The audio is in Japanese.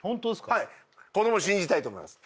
はい子供を信じたいと思います